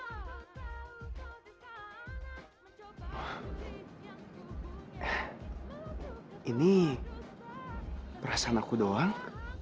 ini perasaan aku doang